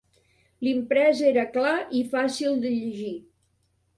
L'imprès era clar i fàcil de llegir.